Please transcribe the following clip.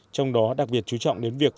trong đó đặc biệt chú trọng đến việc